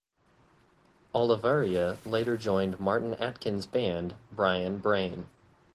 Olavarria later joined Martin Atkins' band Brian Brain.